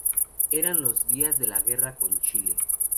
Eran los días de la Guerra con Chile.